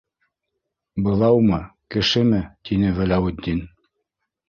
Быҙаумы, кешеме? - тине Вәләүетдин.